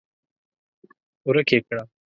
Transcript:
ورک يې کړه!